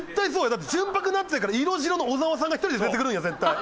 だって純白ナッツやから色白の小澤さんが１人で出てくるんや絶対。